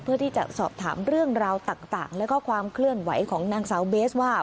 เพื่อที่จะสอบถามเรื่องราวต่างแล้วก็ความเคลื่อนไหวของนางสาวเบสว่า